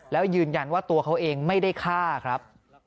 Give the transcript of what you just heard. แล้วยืนยันว่าตัวเขาเองไม่ได้ฆ่าครับ